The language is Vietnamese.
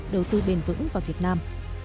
đầu tư bền vững vào việt nam